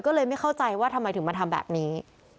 ก็เลยไม่เข้าใจว่าทำไมถึงมาทำแบบนี้